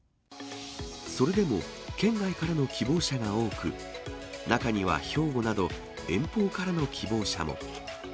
それでも、県外からの希望者が多く、中には兵庫など遠方からの希望者も。